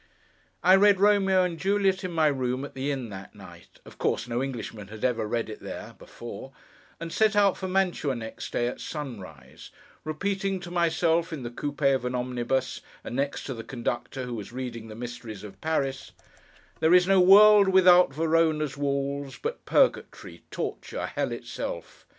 I read Romeo and Juliet in my own room at the inn that night—of course, no Englishman had ever read it there, before—and set out for Mantua next day at sunrise, repeating to myself (in the coupé of an omnibus, and next to the conductor, who was reading the Mysteries of Paris), There is no world without Verona's walls But purgatory, torture, hell itself.